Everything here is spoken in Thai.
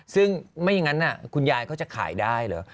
ซึ่งไม่อย่างนั้นคุณยายเขาจะขายได้เหรอ